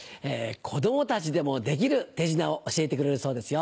子供たちでもできる手品を教えてくれるそうですよ。